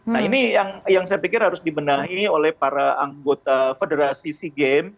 nah ini yang saya pikir harus dibenahi oleh para anggota federasi sea games